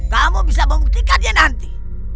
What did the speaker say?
kamu bisa membuktikan dia nanti